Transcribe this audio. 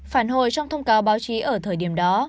phản hồi trong thông cáo báo chí ở thời điểm đó